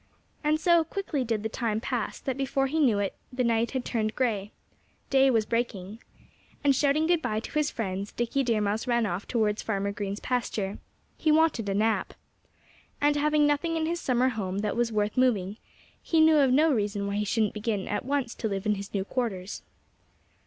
And so quickly did the time pass that before he knew it the night had turned gray. Day was breaking. And shouting good bye to his friends Dickie Deer Mouse ran off towards Farmer Green's pasture. He wanted a nap. And having nothing in his summer home that was worth moving, he knew of no reason why he shouldn't begin at once to live in his new quarters.